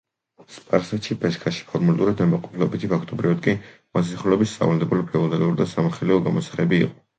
სპარსეთში ფეშქაში ფორმალურად ნებაყოფლობითი, ფაქტობრივად კი მოსახლეობის სავალდებულო ფეოდალური და სამოხელეო გამოსაღები იყო.